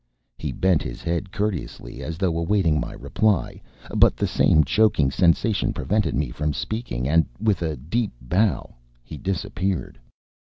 He bent his head courteously, as though awaiting my reply, but the same choking sensation prevented me from speaking; and, with a deep bow, he disappeared.